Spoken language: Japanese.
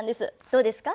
どうですか？